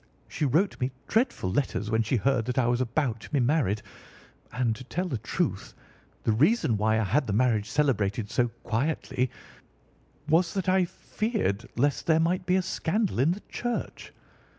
She wrote me dreadful letters when she heard that I was about to be married, and, to tell the truth, the reason why I had the marriage celebrated so quietly was that I feared lest there might be a scandal in the church.